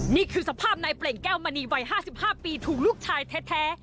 นี่คือสภาพนายเปล่งแก้วมณีวัย๕๕ปีถูกลูกชายแท้